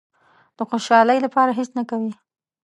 د خوشالۍ لپاره هېڅ نه کوي.